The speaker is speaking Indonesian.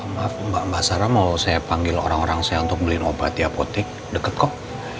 maaf mbak sarah mau saya panggil orang orang saya untuk beliin obat di apotek deket kok